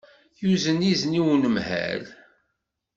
Yuzen izen i unemhal.